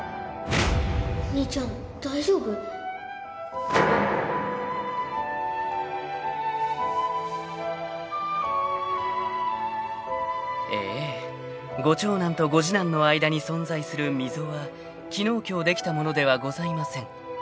兄ちゃん大丈夫？［ええご長男とご次男の間に存在する溝は昨日今日できたものではございません］